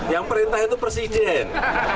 yang perintah itu presiden